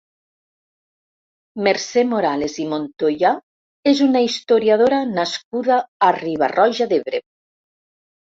Mercè Morales i Montoya és una historiadora nascuda a Riba-roja d'Ebre.